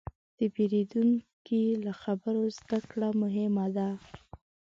د پیرودونکي له خبرو زدهکړه مهمه ده.